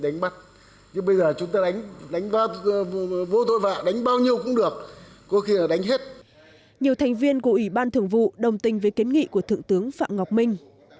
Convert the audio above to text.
nhiều thành viên của ủy ban thường vụ đồng tình với kiến nghị của thượng tướng phạm ngọc minh